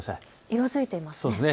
色づいてますね。